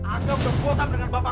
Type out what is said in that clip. agam sudah berpura pura dengan bapak